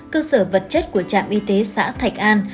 cơ sở vật chất của trạm y tế xã thạch an